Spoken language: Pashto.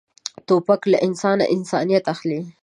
توپک له انسانه انسانیت اخلي.